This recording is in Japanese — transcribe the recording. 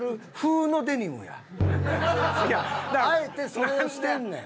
だからあえてそれをしてんねん。